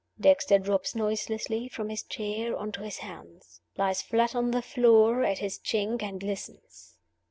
Dexter drops noiselessly from his chair onto his hands; lies flat on the floor at his chink, and listens.